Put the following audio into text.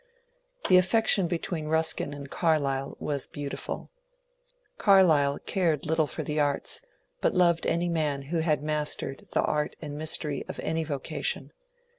The affection between Ruskin and Carlyle was beautifuL Carlyle cared little for the arts, but loved any tnan who had mastered the ^^ art and mystery " of any vocation.